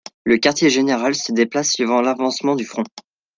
Le Quartier Général se déplace suivant l'avancement du front.